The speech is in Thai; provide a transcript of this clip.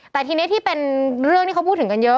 แต่ทีนี้ที่เป็นเรื่องที่เขาพูดถึงกันเยอะ